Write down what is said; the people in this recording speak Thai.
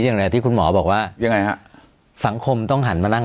อย่างไรที่คุณหมอบอกว่ายังไงฮะสังคมต้องหันมานั่ง